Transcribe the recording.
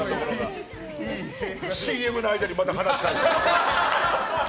ＣＭの間にまた話したい。